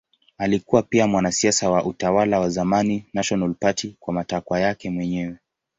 Alikuwa pia mwanasiasa wa utawala wa zamani National Party kwa matakwa yake mwenyewe.